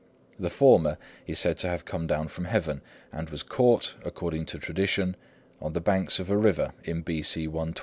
The former is said to have come down from heaven, and was caught, according to tradition, on the banks of a river in B.C. 120.